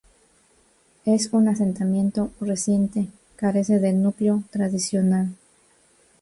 Es un asentamiento reciente, carece de núcleo tradicional.